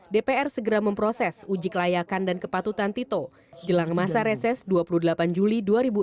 dpr segera memproses uji kelayakan dan kepatutan tito jelang masa reses dua puluh delapan juli dua ribu enam belas